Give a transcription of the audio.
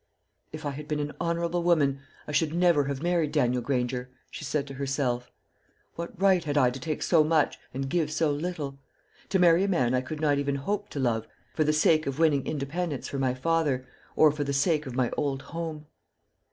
"If I had been an honourable woman, I should never have married Daniel Granger," she said to herself. "What right had I to take so much and give so little to marry a man I could not even hope to love for the sake of winning independence for my father, or for the sake of my old home?"